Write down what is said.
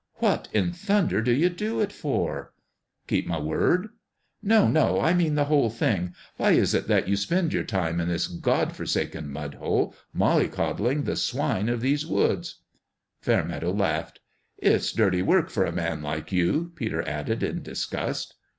" What in thunder do you do it for ?"" Keep my word ?" "No, no! I mean the whole thing. Why is it that you spend your time in this God for saken mud hole mollycoddling the swine of these woods ?" Fairmeadow laughed. "It's dirty work for a man like you," Peter added, in disgust.